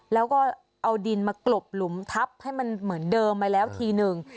แล้วก็เอาดินมากรบหลุมทับให้มันเหมือนเดิมไปแล้วทีหนึ่ง